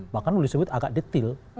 bahkan boleh disebut agak detil